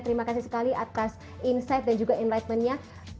terima kasih sekali atas insight dan juga enlightenment nya